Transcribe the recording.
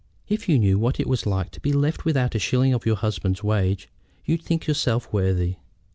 "If you knew what it was to be left without a shilling of your husband's wages you'd think yourself worthy."